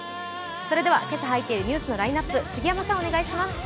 それでは今朝入っているニュースのラインナップ、杉山さん、お願いします。